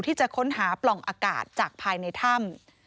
ที่จะค้นหาปล่องอากาศจากภายในถ้ำ